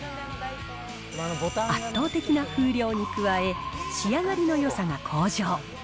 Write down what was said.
圧倒的な風量に加え、仕上がりのよさが向上。